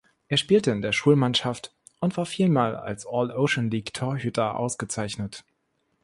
Er spielte in der Schulmannschaft und war viermal als All-Ocean League Torhüter ausgezeichnet.